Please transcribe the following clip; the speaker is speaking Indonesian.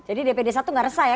jadi dpd satu tidak resah ya